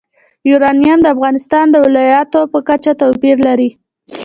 یورانیم د افغانستان د ولایاتو په کچه توپیر لري.